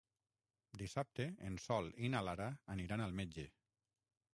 Dissabte en Sol i na Lara aniran al metge.